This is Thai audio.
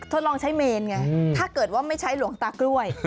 ทดลองใช้เมนไงถ้าเกิดว่าไม่ใช้หลวงตากล้วย